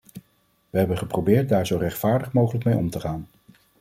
We hebben geprobeerd daar zo rechtvaardig mogelijk mee om te gaan.